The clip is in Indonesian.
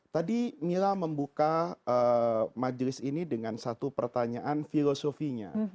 tadi mila membuka majelis ini dengan satu pertanyaan filosofinya